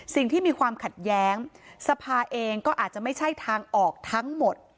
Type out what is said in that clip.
สิ่งที่มีความขัดแย้งสภาเองก็อาจจะไม่ใช่ทางออกทั้งหมด